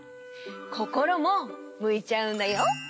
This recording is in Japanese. こころもむいちゃうんだよ。